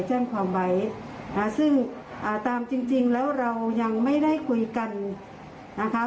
แจ้งความไว้ซึ่งตามจริงแล้วเรายังไม่ได้คุยกันนะคะ